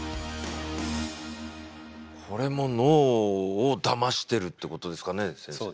これも脳をだましてるってことですかね。